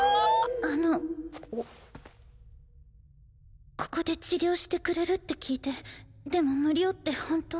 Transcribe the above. あのここで治療してくれるって聞いてでも無料ってホント？